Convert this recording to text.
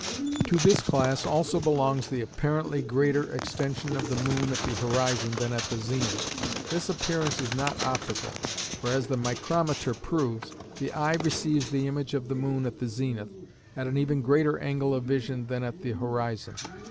To this class also belongs the apparently greater extension of the moon at the horizon than at the zenith. This appearance is not optical, for as the micrometre proves, the eye receives the image of the moon at the zenith, at an even greater angle of vision than at the horizon.